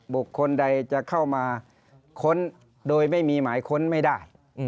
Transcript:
บุคคลใดจะเข้ามาค้นโดยไม่มีหมายค้นไม่ได้